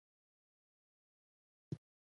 فلم باید د دروغو ضد وي